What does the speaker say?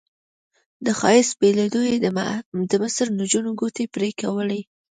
د ښایست په لیدو یې د مصر نجونو ګوتې پرې کولې.